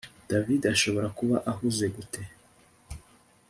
David ashobora kuba ahuze gute